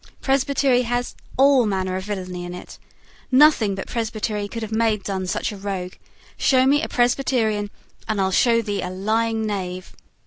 Presbytery has all manner of villany in it. Nothing but Presbytery could have made Dunne such a rogue. Show me a Presbyterian; and I'll show thee a lying knave."